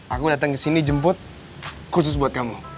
aku datang kesini jemput khusus buat kamu